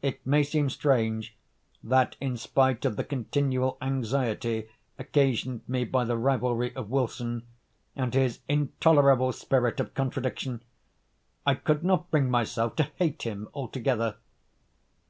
It may seem strange that in spite of the continual anxiety occasioned me by the rivalry of Wilson, and his intolerable spirit of contradiction, I could not bring myself to hate him altogether.